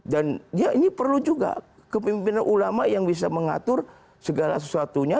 dan ya ini perlu juga kepimpinan ulama yang bisa mengatur segala sesuatunya